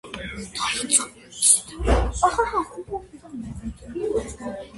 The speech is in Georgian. ცხადია, თემურლენგი მეტად აღაშფოთა, მაგრამ შუა ზამთრის გამო გამოლაშქრება შეუძლებელი იყო.